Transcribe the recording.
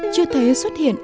chưa thấy xuất hiện